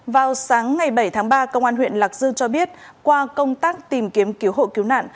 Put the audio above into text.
vào sáng ngày bảy tháng ba công an huyện lạc dương cho biết qua công tác tìm kiếm cứu hộ cứu nạn